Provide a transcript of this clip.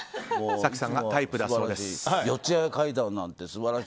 早紀さんがタイプだそうです。